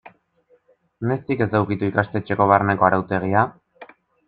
Noiztik ez da ukitu ikastetxeko barneko arautegia?